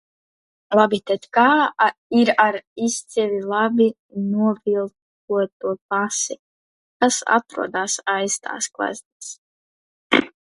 Labi, tad kā ir ar izcili labi noviltoto pasi, kas atrodas aiz tās gleznas?